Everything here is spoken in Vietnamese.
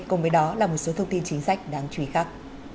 cùng với đó là một số thông tin chính sách đáng chú ý khác